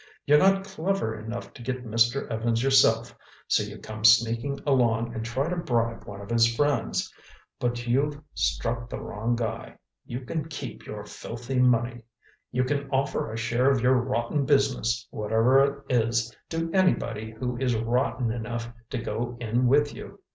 You're not clever enough to get Mr. Evans yourself, so you come sneaking along and try to bribe one of his friends. But you've struck the wrong guy. You can keep your filthy money. You can offer a share of your rotten business, whatever it is, to anybody who is rotten enough to go in with you.